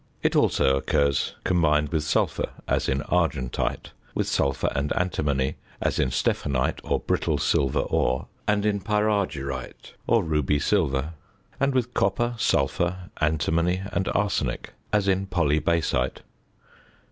It also occurs combined with sulphur (as in argentite), with sulphur and antimony (as in stephanite or brittle silver ore, and in pyrargyrite or ruby silver), and with copper, sulphur, antimony, and arsenic, as in polybasite.